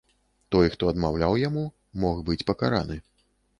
Той, хто адмаўляў яму, мог быць пакараны.